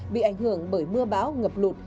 bị ảnh hưởng bởi mưa bão ngập lụt